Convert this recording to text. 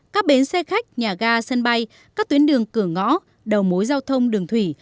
các bến xe khách nhà ga sân bay các tuyến đường cửa ngõ đầu mối giao thông đường thủy